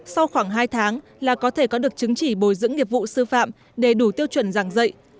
sau khoảng hai tháng là có thể có được chứng chỉ bồi dưỡng nghiệp vụ sư phạm để đủ tiêu chuẩn giảng dạy